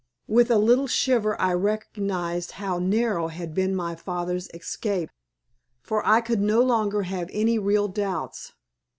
With a little shiver I recognized how narrow had been my father's escape. For I could no longer have any real doubts.